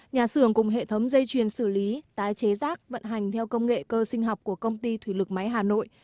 nhà xưởng cùng hệ thống dây chuyền xử lý tái chế rác vận hành theo công nghệ cơ sinh học của công ty thủy lực máy hà nội